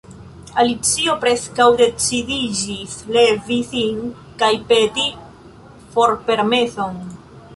Alicio preskaŭ decidiĝis levi sin kaj peti forpermeson.